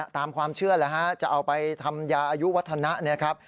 ตามความเชื่อแหละจะเอาไปทำยาอายุวัฒนะ